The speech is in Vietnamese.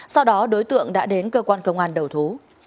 sau đó đối tượng đã đến cơ quan công an đầu thú